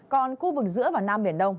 còn khu vực giữa và nam biển đông